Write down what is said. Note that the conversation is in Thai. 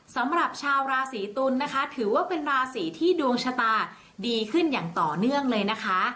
สำหรับชาวราศีตุลนะคะถือว่าเป็นราศีที่ดวงชะตาดีขึ้นอย่างต่อเนื่องเลยนะคะ